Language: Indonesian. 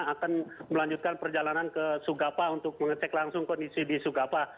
akan melanjutkan perjalanan ke sugapa untuk mengecek langsung kondisi di sugapa